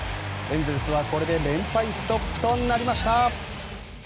エンゼルスは、これで連敗ストップとなりました。